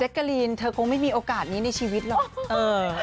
กะลีนเธอคงไม่มีโอกาสนี้ในชีวิตหรอก